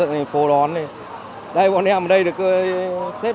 những người dân